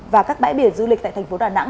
và các bãi biển du lịch tại thành phố đà nẵng